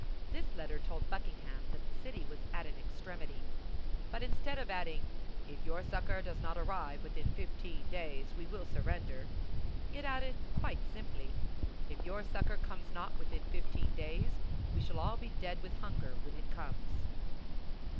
This letter told Buckingham that the city was at an extremity; but instead of adding, "If your succor does not arrive within fifteen days, we will surrender," it added, quite simply, "If your succor comes not within fifteen days, we shall all be dead with hunger when it comes."